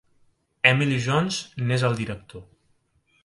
Emily Jones n'és el director.